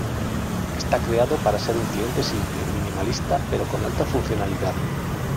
Está creado para ser un cliente simple, minimalista, pero con alta funcionalidad.